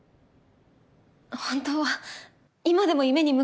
本当は今でも夢に向かいたいって。